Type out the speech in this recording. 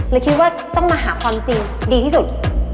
เลยคิดว่าต้องมาหาความจริงดีที่สุด